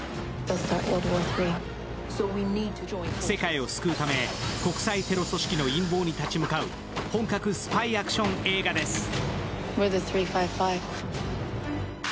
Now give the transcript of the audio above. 世界を救うため国際テロ組織の陰謀に立ち向かう本格スパイアクション映画です。